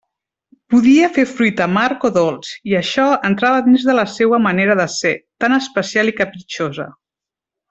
Podia fer fruit amarg o dolç, i això entrava dins de la seua manera de ser, tan especial i capritxosa.